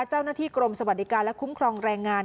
เจ้าหน้าที่กรมสวัสดิการและคุ้มครองแรงงาน